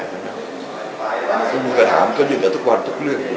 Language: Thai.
คุณก็ถามยื่นต่อทุกวันทุกเรื่องอยู่อ่ะ